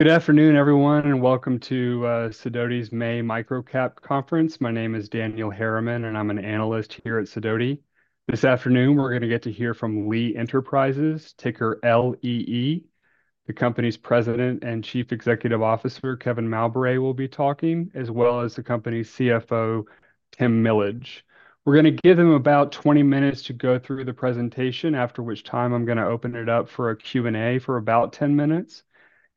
Good afternoon, everyone, and welcome to Sidoti's May Microcap Conference. My name is Daniel Harriman, and I'm an analyst here at Sidoti. This afternoon we're going to get to hear from Lee Enterprises, ticker LEE. The company's President and Chief Executive Officer, Kevin Mowbray, will be talking, as well as the company's CFO, Tim Millage. We're going to give them about 20 minutes to go through the presentation, after which time I'm going to open it up for a Q&A for about 10 minutes.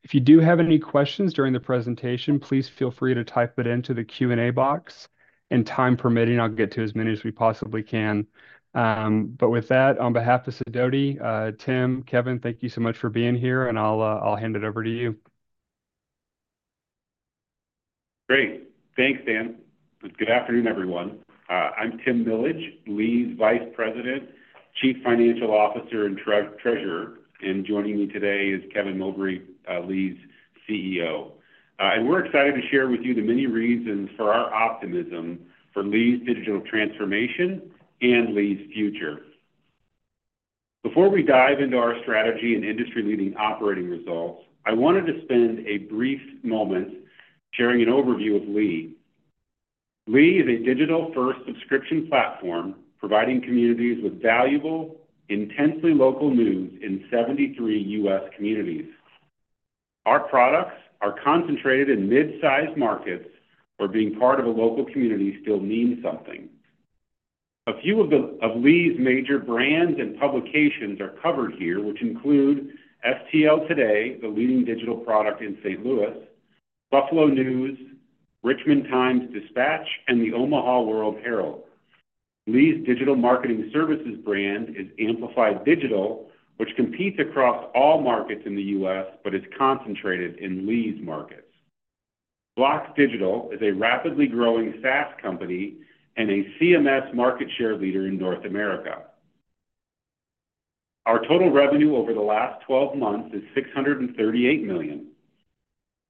If you do have any questions during the presentation, please feel free to type it into the Q&A box. And time permitting, I'll get to as many as we possibly can. But with that, on behalf of Sidoti, Tim, Kevin, thank you so much for being here, and I'll hand it over to you. Great. Thanks, Dan. Good afternoon, everyone. I'm Tim Millage, Lee's vice president, Chief Financial Officer, and treasurer, and joining me today is Kevin Mowbray, Lee's CEO, and we're excited to share with you the many reasons for our optimism for Lee's digital transformation and Lee's future. Before we dive into our strategy and industry-leading operating results, I wanted to spend a brief moment sharing an overview of Lee. Lee is a digital-first subscription platform providing communities with valuable, intensely local news in 73 U.S. communities. Our products are concentrated in midsized markets where being part of a local community still means something. A few of Lee's major brands and publications are covered here, which include STLtoday, the leading digital product in St. Louis, Buffalo News, Richmond Times-Dispatch, and the Omaha World-Herald. Lee's digital marketing services brand is Amplified Digital, which competes across all markets in the U.S. but is concentrated in Lee's markets. BLOX Digital is a rapidly growing SaaS company and a CMS market share leader in North America. Our total revenue over the last 12 months is $638 million.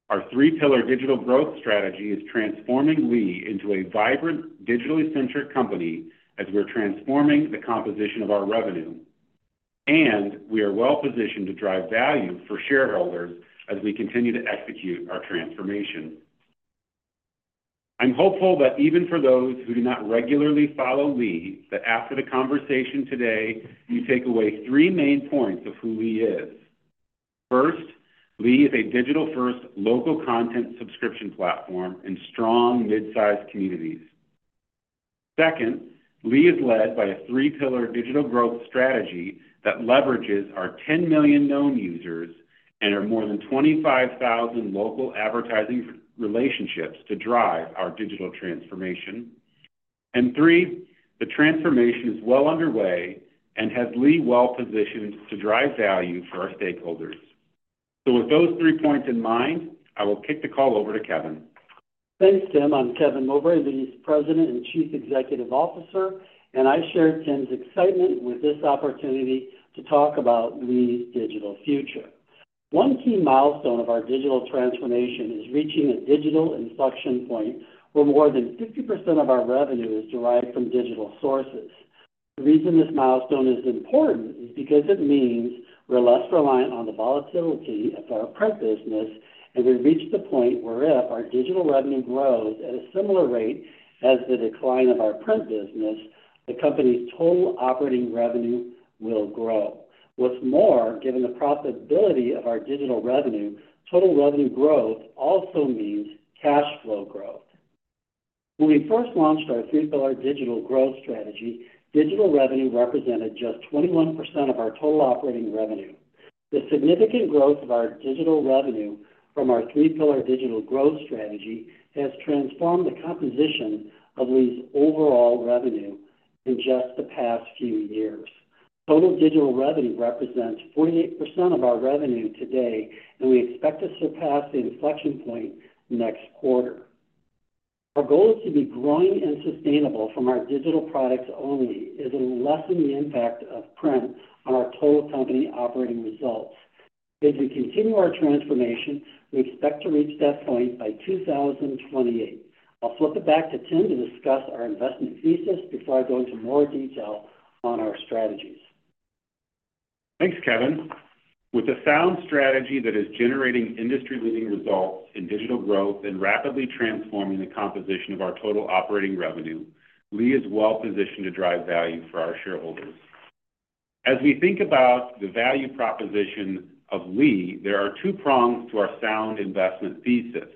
Our three-pillar digital growth strategy is transforming Lee into a vibrant, digitally centered company as we're transforming the composition of our revenue, and we are well positioned to drive value for shareholders as we continue to execute our transformation. I'm hopeful that even for those who do not regularly follow Lee, that after the conversation today you take away three main points of who Lee is. First, Lee is a digital-first local content subscription platform in strong midsized communities. Second, Lee is led by a three-pillar digital growth strategy that leverages our 10 million known users and our more than 25,000 local advertising relationships to drive our digital transformation. Three, the transformation is well underway and has Lee well positioned to drive value for our stakeholders. With those three points in mind, I will kick the call over to Kevin. Thanks, Tim. I'm Kevin Mowbray, Lee's President and Chief Executive Officer, and I share Tim's excitement with this opportunity to talk about Lee's digital future. One key milestone of our digital transformation is reaching a digital inflection point where more than 50% of our revenue is derived from digital sources. The reason this milestone is important is because it means we're less reliant on the volatility of our print business, and we reach the point where if our digital revenue grows at a similar rate as the decline of our print business, the company's total operating revenue will grow. What's more, given the profitability of our digital revenue, total revenue growth also means cash flow growth. When we first launched our three-pillar digital growth strategy, digital revenue represented just 21% of our total operating revenue. The significant growth of our digital revenue from our three-pillar digital growth strategy has transformed the composition of Lee's overall revenue in just the past few years. Total digital revenue represents 48% of our revenue today, and we expect to surpass the inflection point next quarter. Our goal is to be growing and sustainable from our digital products only is to lessen the impact of print on our total company operating results. As we continue our transformation, we expect to reach that point by 2028. I'll flip it back to Tim to discuss our investment thesis before I go into more detail on our strategies. Thanks, Kevin. With a sound strategy that is generating industry-leading results in digital growth and rapidly transforming the composition of our total operating revenue, Lee is well positioned to drive value for our shareholders. As we think about the value proposition of Lee, there are two prongs to our sound investment thesis: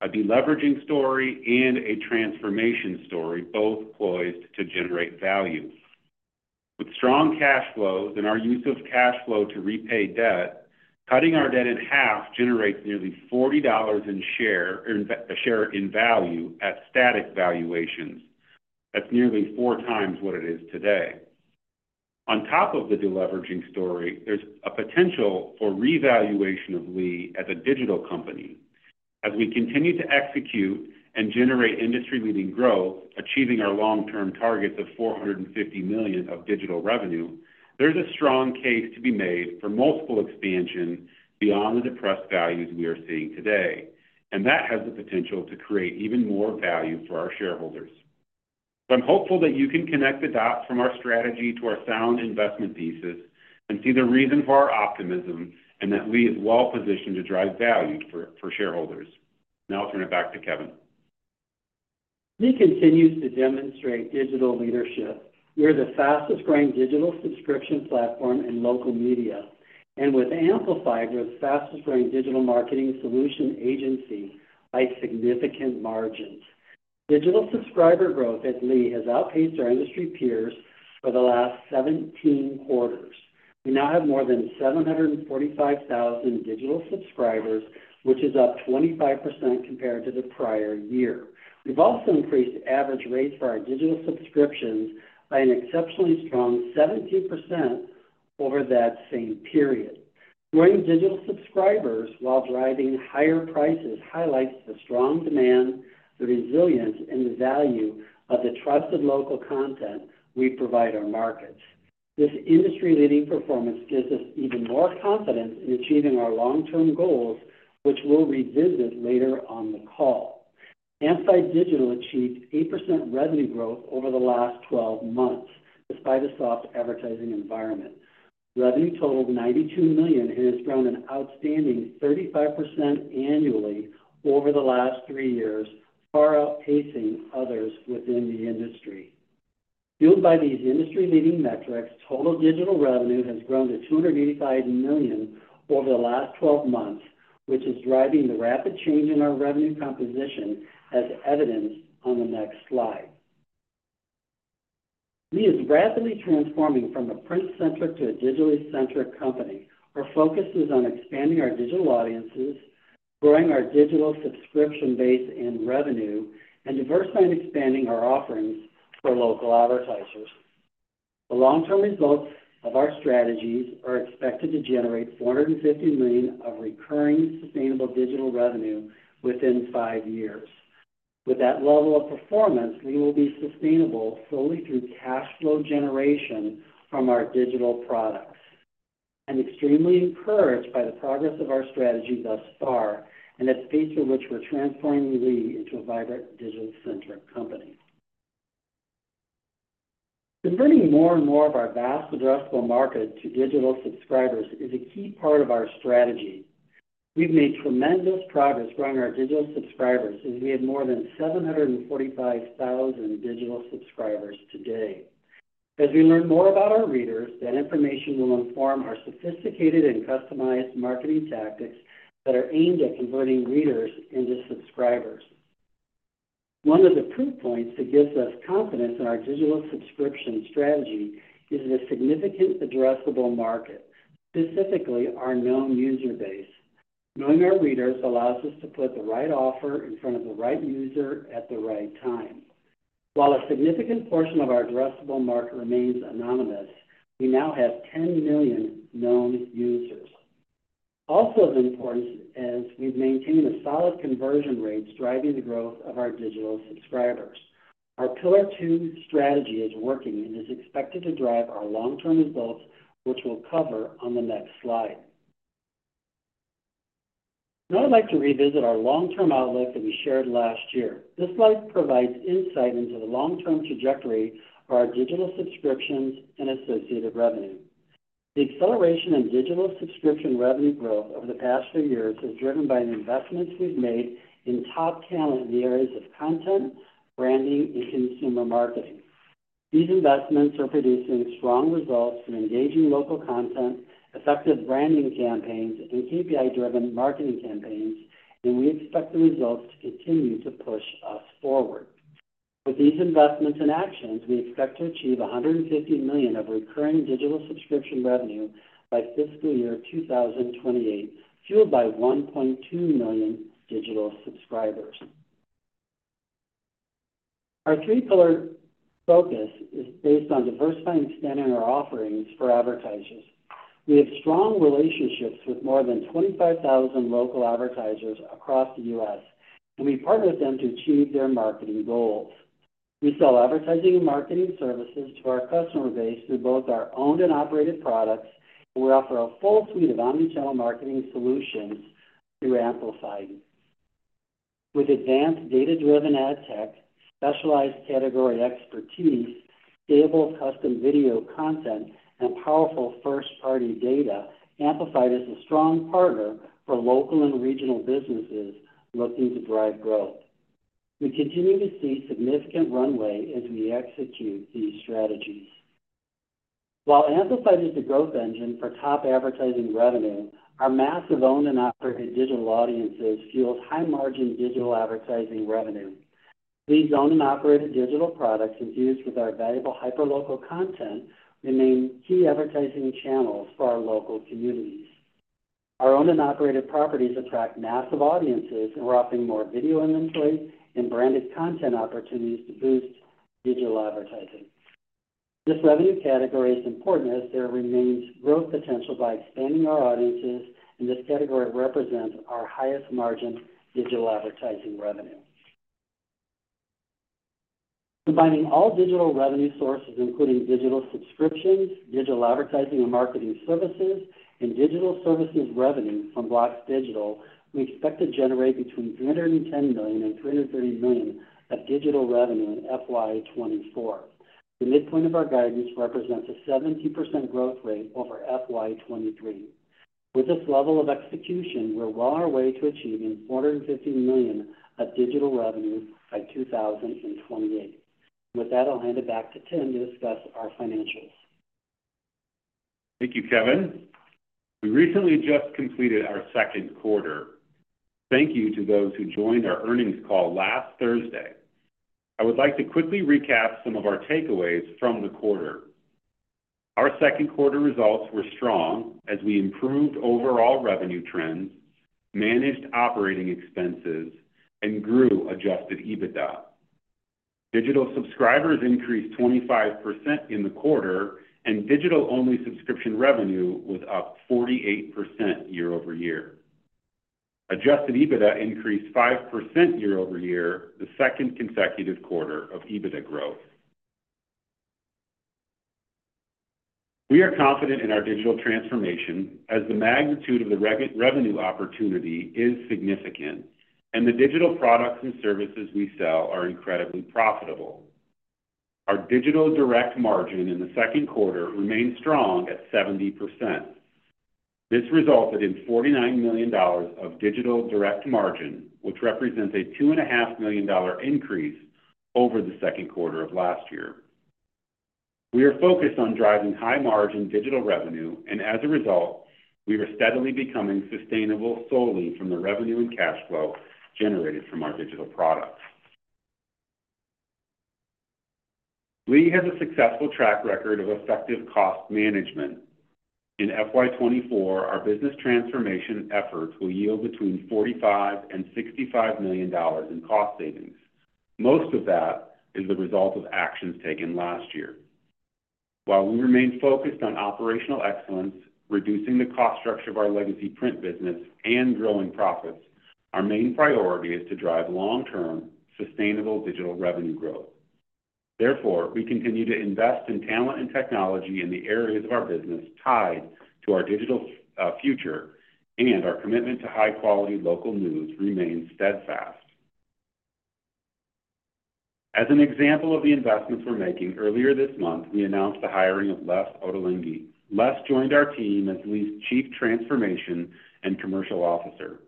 a deleveraging story and a transformation story, both poised to generate value. With strong cash flows and our use of cash flow to repay debt, cutting our debt in half generates nearly $40 in share value at static valuations. That's nearly four times what it is today. On top of the deleveraging story, there's a potential for revaluation of Lee as a digital company. As we continue to execute and generate industry-leading growth, achieving our long-term targets of $450 million of digital revenue, there's a strong case to be made for multiple expansion beyond the depressed values we are seeing today, and that has the potential to create even more value for our shareholders. So I'm hopeful that you can connect the dots from our strategy to our sound investment thesis and see the reason for our optimism and that Lee is well positioned to drive value for, for shareholders. Now I'll turn it back to Kevin. Lee continues to demonstrate digital leadership. We're the fastest-growing digital subscription platform in local media, and with Amplified, we're the fastest-growing digital marketing solution agency by significant margins. Digital subscriber growth at Lee has outpaced our industry peers for the last 17 quarters. We now have more than 745,000 digital subscribers, which is up 25% compared to the prior year. We've also increased average rates for our digital subscriptions by an exceptionally strong 17% over that same period. Growing digital subscribers while driving higher prices highlights the strong demand, the resilience, and the value of the trusted local content we provide our markets. This industry-leading performance gives us even more confidence in achieving our long-term goals, which we'll revisit later on the call. Amplified Digital achieved 8% revenue growth over the last 12 months despite a soft advertising environment. Revenue totaled $92 million and has grown an outstanding 35% annually over the last three years, far outpacing others within the industry. Fueled by these industry-leading metrics, total digital revenue has grown to $285 million over the last 12 months, which is driving the rapid change in our revenue composition, as evidenced on the next slide. Lee is rapidly transforming from a print-centric to a digitally centric company. Our focus is on expanding our digital audiences, growing our digital subscription base and revenue, and diversifying and expanding our offerings for local advertisers. The long-term results of our strategies are expected to generate $450 million of recurring, sustainable digital revenue within five years. With that level of performance, Lee will be sustainable solely through cash flow generation from our digital products, and extremely encouraged by the progress of our strategy thus far and its pace at which we're transforming Lee into a vibrant, digital-centric company. Converting more and more of our vast, addressable market to digital subscribers is a key part of our strategy. We've made tremendous progress growing our digital subscribers, as we have more than 745,000 digital subscribers today. As we learn more about our readers, that information will inform our sophisticated and customized marketing tactics that are aimed at converting readers into subscribers. One of the proof points that gives us confidence in our digital subscription strategy is the significant addressable market, specifically our known user base. Knowing our readers allows us to put the right offer in front of the right user at the right time. While a significant portion of our addressable market remains anonymous, we now have 10 million known users. Also of importance is we've maintained a solid conversion rate driving the growth of our digital subscribers. Our pillar two strategy is working and is expected to drive our long-term results, which we'll cover on the next slide. Now I'd like to revisit our long-term outlook that we shared last year. This slide provides insight into the long-term trajectory of our digital subscriptions and associated revenue. The acceleration in digital subscription revenue growth over the past three years is driven by investments we've made in top talent in the areas of content, branding, and consumer marketing. These investments are producing strong results from engaging local content, effective branding campaigns, and KPI-driven marketing campaigns, and we expect the results to continue to push us forward. With these investments in action, we expect to achieve $150 million of recurring digital subscription revenue by fiscal year 2028, fueled by 1.2 million digital subscribers. Our three-pillar focus is based on diversifying and expanding our offerings for advertisers. We have strong relationships with more than 25,000 local advertisers across the U.S., and we partner with them to achieve their marketing goals. We sell advertising and marketing services to our customer base through both our owned and operated products, and we offer a full suite of omnichannel marketing solutions through Amplified. With advanced data-driven ad tech, specialized category expertise, stable custom video content, and powerful first-party data, Amplified is a strong partner for local and regional businesses looking to drive growth. We continue to see significant runway as we execute these strategies. While Amplified is the growth engine for top advertising revenue, our massive owned and operated digital audiences fuel high-margin digital advertising revenue. These owned and operated digital products, infused with our valuable hyperlocal content, remain key advertising channels for our local communities. Our owned and operated properties attract massive audiences, and we're offering more video inventory and branded content opportunities to boost digital advertising. This revenue category is important as there remains growth potential by expanding our audiences, and this category represents our highest-margin digital advertising revenue. Combining all digital revenue sources, including digital subscriptions, digital advertising and marketing services, and digital services revenue from BLOX Digital, we expect to generate between $310 million and $330 million of digital revenue in FY 2024. The midpoint of our guidance represents a 70% growth rate over FY 2023. With this level of execution, we're well on our way to achieving $450 million of digital revenue by 2028. With that, I'll hand it back to Tim to discuss our financials. Thank you, Kevin. We recently just completed our second quarter. Thank you to those who joined our earnings call last Thursday. I would like to quickly recap some of our takeaways from the quarter. Our second quarter results were strong as we improved overall revenue trends, managed operating expenses, and grew Adjusted EBITDA. Digital subscribers increased 25% in the quarter, and digital-only subscription revenue was up 48% year-over-year. Adjusted EBITDA increased 5% year-over-year, the second consecutive quarter of EBITDA growth. We are confident in our digital transformation as the magnitude of the revenue opportunity is significant, and the digital products and services we sell are incredibly profitable. Our digital direct margin in the second quarter remained strong at 70%. This resulted in $49 million of digital direct margin, which represents a $2.5 million increase over the second quarter of last year. We are focused on driving high-margin digital revenue, and as a result, we are steadily becoming sustainable solely from the revenue and cash flow generated from our digital products. Lee has a successful track record of effective cost management. In FY 2024, our business transformation efforts will yield between $45 million and $65 million in cost savings. Most of that is the result of actions taken last year. While we remain focused on operational excellence, reducing the cost structure of our legacy print business, and growing profits, our main priority is to drive long-term, sustainable digital revenue growth. Therefore, we continue to invest in talent and technology in the areas of our business tied to our digital future, and our commitment to high-quality local news remains steadfast. As an example of the investments we're making, earlier this month, we announced the hiring of Les Ottolenghi. Les joined our team as Lee's Chief Transformation and Commercial Officer.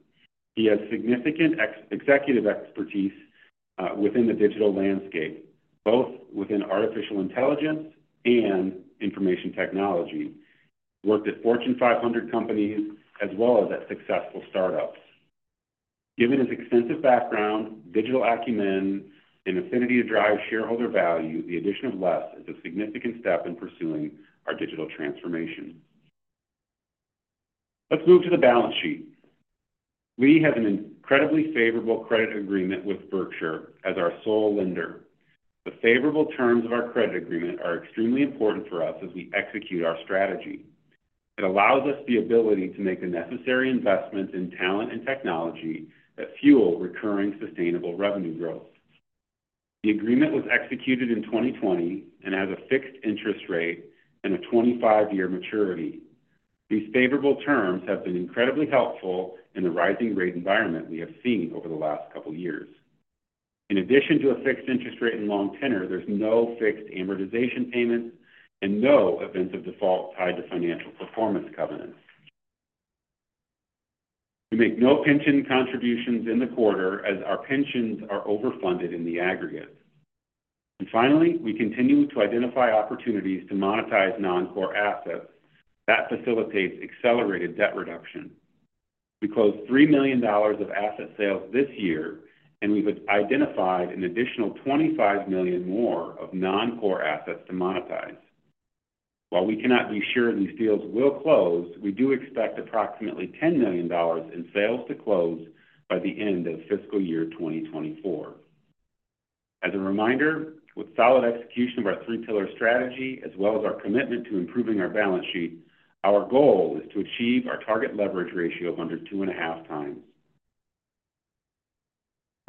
He has significant executive expertise within the digital landscape, both within artificial intelligence and information technology. He's worked at Fortune 500 companies as well as at successful startups. Given his extensive background, digital acumen, and affinity to drive shareholder value, the addition of Les is a significant step in pursuing our digital transformation. Let's move to the balance sheet. Lee has an incredibly favorable credit agreement with Berkshire as our sole lender. The favorable terms of our credit agreement are extremely important for us as we execute our strategy. It allows us the ability to make the necessary investments in talent and technology that fuel recurring, sustainable revenue growth. The agreement was executed in 2020 and has a fixed interest rate and a 25-year maturity. These favorable terms have been incredibly helpful in the rising rate environment we have seen over the last couple of years. In addition to a fixed interest rate and long tenor, there's no fixed amortization payments and no events of default tied to financial performance covenants. We make no pension contributions in the quarter as our pensions are overfunded in the aggregate. Finally, we continue to identify opportunities to monetize non-core assets. That facilitates accelerated debt reduction. We closed $3 million of asset sales this year, and we've identified an additional 25 million more of non-core assets to monetize. While we cannot be sure these deals will close, we do expect approximately $10 million in sales to close by the end of fiscal year 2024. As a reminder, with solid execution of our three-pillar strategy as well as our commitment to improving our balance sheet, our goal is to achieve our target leverage ratio of under 2.5x.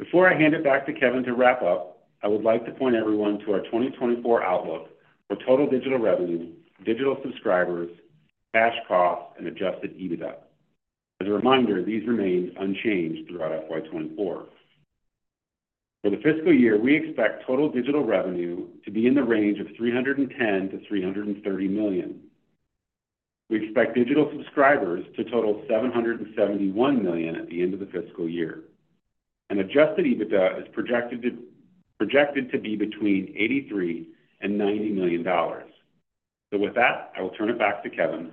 Before I hand it back to Kevin to wrap up, I would like to point everyone to our 2024 outlook for total digital revenue, digital subscribers, cash costs, and adjusted EBITDA. As a reminder, these remain unchanged throughout FY 2024. For the fiscal year, we expect total digital revenue to be in the range of $310 million-$330 million. We expect digital subscribers to total 771 million at the end of the fiscal year, and adjusted EBITDA is projected to be between $83 million-$90 million. With that, I will turn it back to Kevin.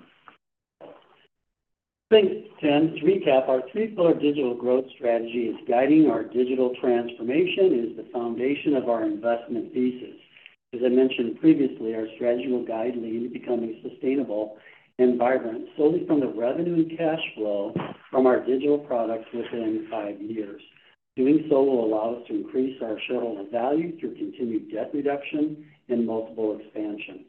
Thanks, Tim. To recap, our three-pillar digital growth strategy is guiding our digital transformation and is the foundation of our investment thesis. As I mentioned previously, our strategy will guide Lee into becoming sustainable and vibrant solely from the revenue and cash flow from our digital products within five years. Doing so will allow us to increase our shareholder value through continued debt reduction and multiple expansion.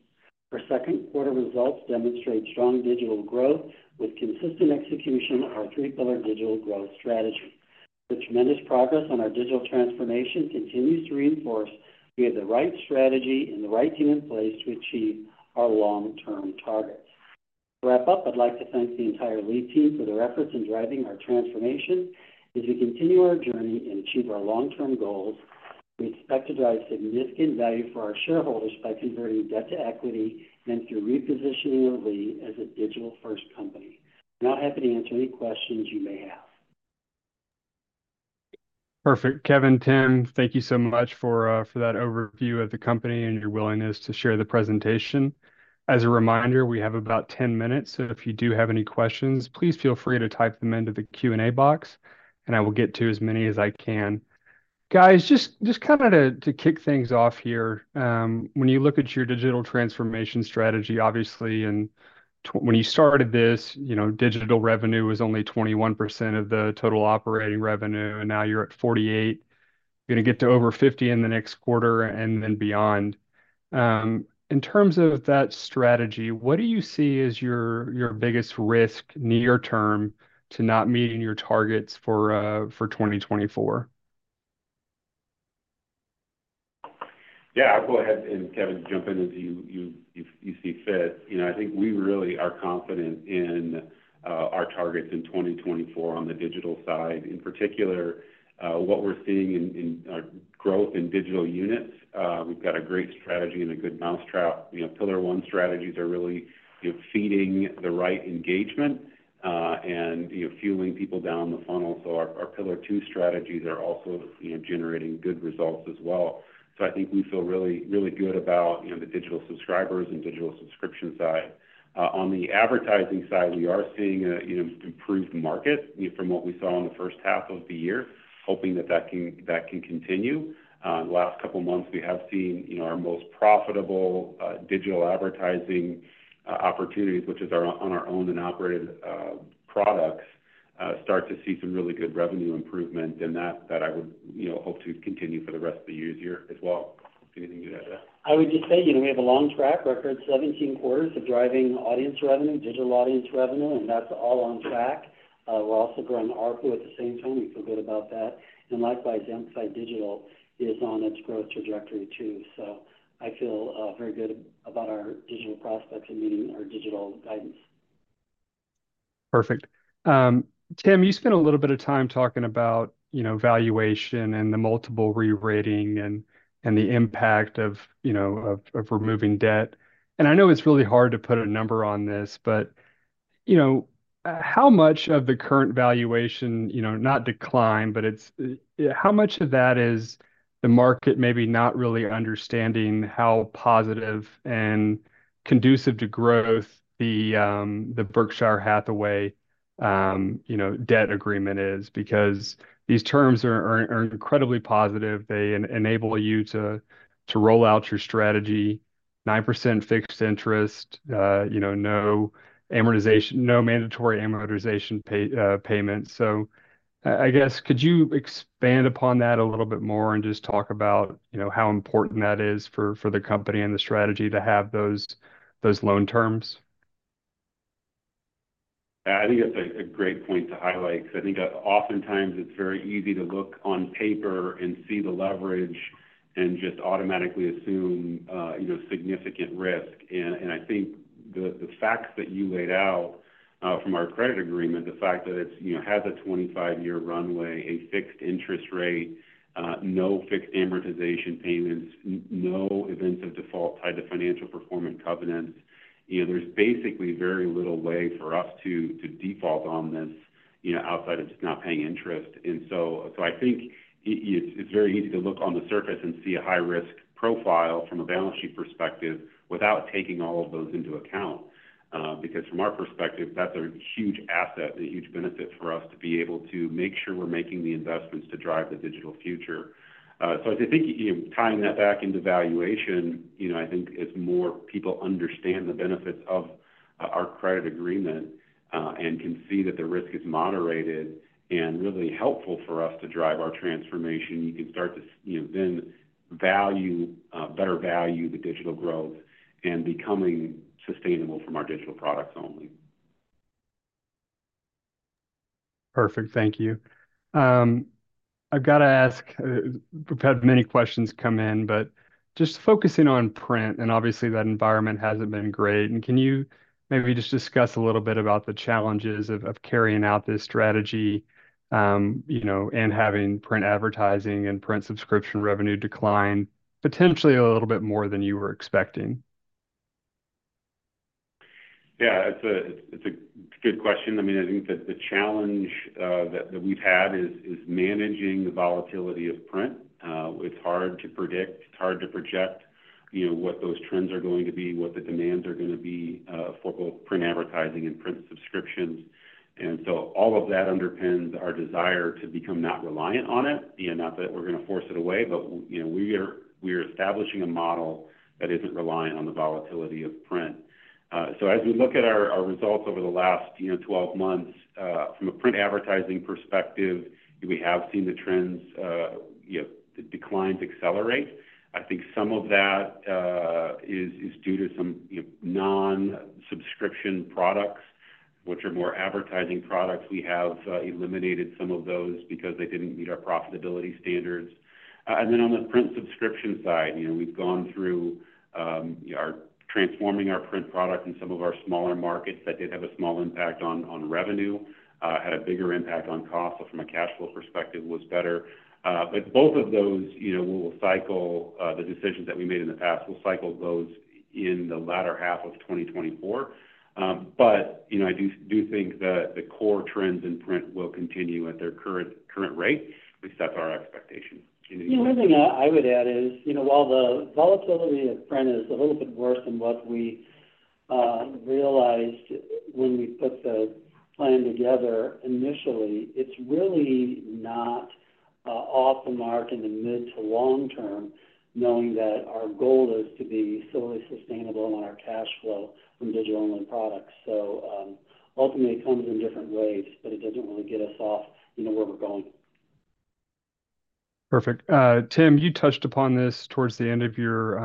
Our second quarter results demonstrate strong digital growth with consistent execution of our three-pillar digital growth strategy. The tremendous progress on our digital transformation continues to reinforce we have the right strategy and the right team in place to achieve our long-term targets. To wrap up, I'd like to thank the entire Lee team for their efforts in driving our transformation. As we continue our journey and achieve our long-term goals, we expect to drive significant value for our shareholders by converting debt to equity and through repositioning of Lee as a digital-first company. I'm now happy to answer any questions you may have. Perfect. Kevin, Tim, thank you so much for that overview of the company and your willingness to share the presentation. As a reminder, we have about 10 minutes, so if you do have any questions, please feel free to type them into the Q&A box, and I will get to as many as I can. Guys, just kind of to kick things off here, when you look at your digital transformation strategy, obviously, and when you started this, digital revenue was only 21% of the total operating revenue, and now you're at 48%. You're going to get to over 50% in the next quarter and then beyond. In terms of that strategy, what do you see as your biggest risk near-term to not meeting your targets for 2024? Yeah, I'll go ahead and Kevin jump in as you see fit. I think we really are confident in our targets in 2024 on the digital side. In particular, what we're seeing in our growth in digital units, we've got a great strategy and a good mousetrap. Pillar one strategies are really feeding the right engagement and fueling people down the funnel. So our pillar two strategies are also generating good results as well. So I think we feel really good about the digital subscribers and digital subscription side. On the advertising side, we are seeing an improved market from what we saw in the first half of the year, hoping that that can continue. The last couple of months, we have seen our most profitable digital advertising opportunities, which is on our owned and operated products, start to see some really good revenue improvement, and that I would hope to continue for the rest of the year as well. Anything you'd add to that? I would just say we have a long track record, 17 quarters of driving audience revenue, digital audience revenue, and that's all on track. We're also growing ARPA at the same time. We feel good about that. And likewise, Amplified Digital is on its growth trajectory too. So I feel very good about our digital prospects and meeting our digital guidance. Perfect. Tim, you spent a little bit of time talking about valuation and the multiple rerating and the impact of removing debt. I know it's really hard to put a number on this, but how much of the current valuation, not decline, but how much of that is the market maybe not really understanding how positive and conducive to growth the Berkshire Hathaway debt agreement is? Because these terms are incredibly positive. They enable you to roll out your strategy: 9% fixed interest, no mandatory amortization payments. I guess, could you expand upon that a little bit more and just talk about how important that is for the company and the strategy to have those loan terms? Yeah, I think that's a great point to highlight because I think oftentimes it's very easy to look on paper and see the leverage and just automatically assume significant risk. And I think the facts that you laid out from our credit agreement, the fact that it has a 25-year runway, a fixed interest rate, no fixed amortization payments, no events of default tied to financial performance covenants. There's basically very little way for us to default on this outside of just not paying interest. And so I think it's very easy to look on the surface and see a high-risk profile from a balance sheet perspective without taking all of those into account. Because from our perspective, that's a huge asset, a huge benefit for us to be able to make sure we're making the investments to drive the digital future. So as I think tying that back into valuation, I think it's more people understand the benefits of our credit agreement and can see that the risk is moderated and really helpful for us to drive our transformation. You can start to then better value the digital growth and becoming sustainable from our digital products only. Perfect. Thank you. I've got to ask, we've had many questions come in, but just focusing on print, and obviously, that environment hasn't been great. Can you maybe just discuss a little bit about the challenges of carrying out this strategy and having print advertising and print subscription revenue decline, potentially a little bit more than you were expecting? Yeah, it's a good question. I mean, I think that the challenge that we've had is managing the volatility of print. It's hard to predict. It's hard to project what those trends are going to be, what the demands are going to be for both print advertising and print subscriptions. And so all of that underpins our desire to become not reliant on it. Not that we're going to force it away, but we are establishing a model that isn't reliant on the volatility of print. So as we look at our results over the last 12 months, from a print advertising perspective, we have seen the trends, the declines accelerate. I think some of that is due to some non-subscription products, which are more advertising products. We have eliminated some of those because they didn't meet our profitability standards. And then on the print subscription side, we've gone through transforming our print product in some of our smaller markets that did have a small impact on revenue, had a bigger impact on cost. So from a cash flow perspective, it was better. But both of those will cycle the decisions that we made in the past. We'll cycle those in the latter half of 2024. But I do think that the core trends in print will continue at their current rate, at least that's our expectation. The only thing I would add is while the volatility of print is a little bit worse than what we realized when we put the plan together initially, it's really not off the mark in the mid- to long-term, knowing that our goal is to be solely sustainable on our cash flow from digital-only products. So ultimately, it comes in different ways, but it doesn't really get us off where we're going. Perfect. Tim, you touched upon this towards the end of your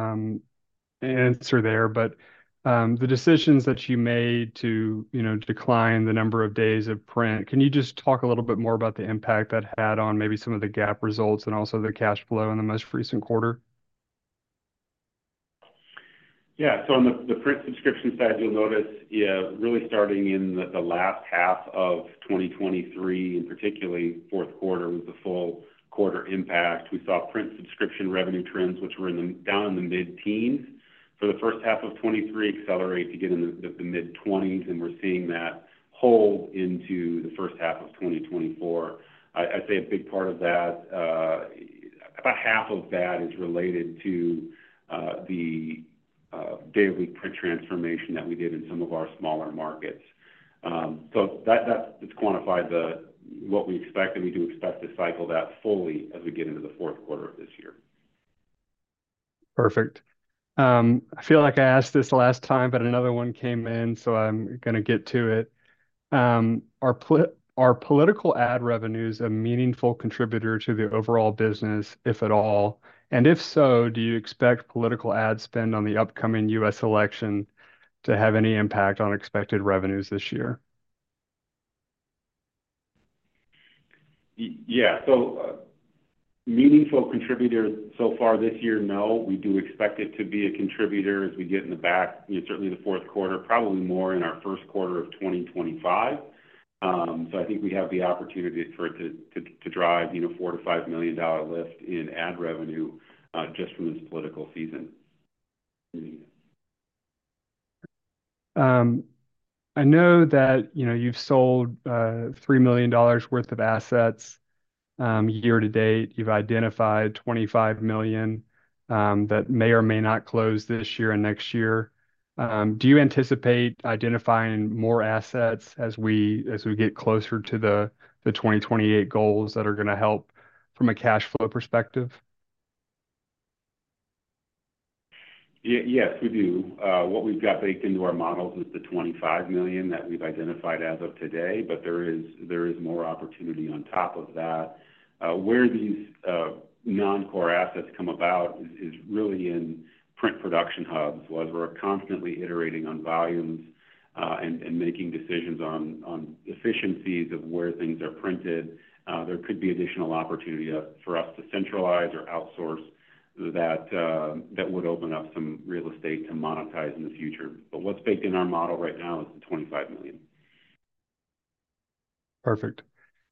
answer there, but the decisions that you made to decline the number of days of print, can you just talk a little bit more about the impact that had on maybe some of the gap results and also the cash flow in the most recent quarter? Yeah. So on the print subscription side, you'll notice really starting in the last half of 2023, in particular, fourth quarter was the full quarter impact. We saw print subscription revenue trends, which were down in the mid-teens, for the first half of 2023 accelerate to get in the mid-20s, and we're seeing that hold into the first half of 2024. I'd say a big part of that, about half of that, is related to the daily print transformation that we did in some of our smaller markets. So that's quantified what we expect, and we do expect to cycle that fully as we get into the fourth quarter of this year. Perfect. I feel like I asked this last time, but another one came in, so I'm going to get to it. Are political ad revenues a meaningful contributor to the overall business, if at all? And if so, do you expect political ad spend on the upcoming U.S. election to have any impact on expected revenues this year? Yeah. So meaningful contributor so far this year, no. We do expect it to be a contributor as we get in the back, certainly the fourth quarter, probably more in our first quarter of 2025. So I think we have the opportunity for it to drive a $4 million-$5 million lift in ad revenue just from this political season. I know that you've sold $3 million worth of assets year to date. You've identified $25 million that may or may not close this year and next year. Do you anticipate identifying more assets as we get closer to the 2028 goals that are going to help from a cash flow perspective? Yes, we do. What we've got baked into our models is the $25 million that we've identified as of today, but there is more opportunity on top of that. Where these non-core assets come about is really in print production hubs. While we're constantly iterating on volumes and making decisions on efficiencies of where things are printed, there could be additional opportunity for us to centralize or outsource that would open up some real estate to monetize in the future. But what's baked in our model right now is the $25 million. Perfect.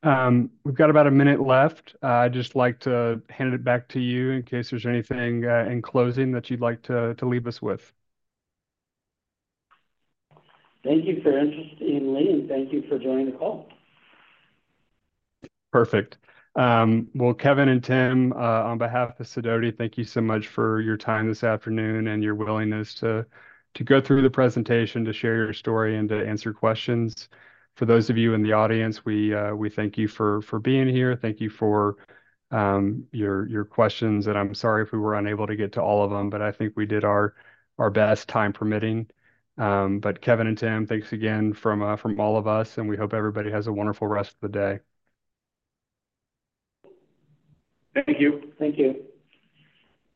We've got about a minute left. I'd just like to hand it back to you in case there's anything in closing that you'd like to leave us with. Thank you for your interest, and thank you for joining the call. Perfect. Well, Kevin and Tim, on behalf of Sidoti, thank you so much for your time this afternoon and your willingness to go through the presentation, to share your story, and to answer questions. For those of you in the audience, we thank you for being here. Thank you for your questions, and I'm sorry if we were unable to get to all of them, but I think we did our best time permitting. But Kevin and Tim, thanks again from all of us, and we hope everybody has a wonderful rest of the day. Thank you. Thank you.